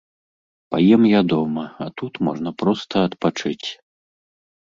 Паем я дома, а тут можна проста адпачыць.